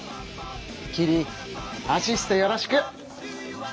キリアシストよろしく。